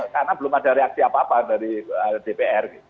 karena belum ada reaksi apa apa dari dpr